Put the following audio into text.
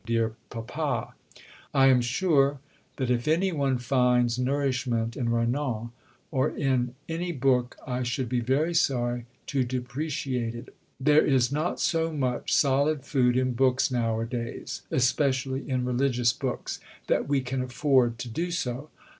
DEAR PAPA I am sure that if any one finds nourishment in Renan or in any book I should be very sorry to "depreciate" it. There is not so much solid food in books nowadays, especially in religious books, that we can afford to do so.